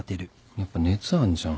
やっぱ熱あんじゃん。